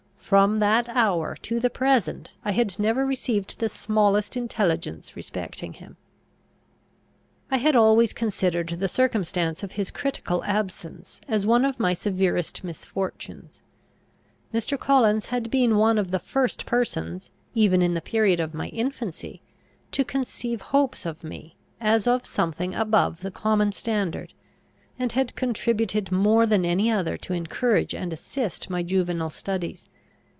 From that hour to the present I had never received the smallest intelligence respecting him. I had always considered the circumstance of his critical absence as one of my severest misfortunes. Mr. Collins had been one of the first persons, even in the period of my infancy, to conceive hopes of me, as of something above the common standard; and had contributed more than any other to encourage and assist my juvenile studies.